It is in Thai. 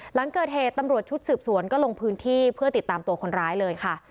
หลังเกิดเหตุตำรวจชุดสืบสวนก็ลงพื้นที่เพื่อติดตามตัวคนร้ายเลยค่ะ